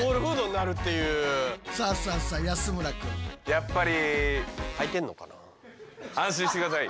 やっぱり。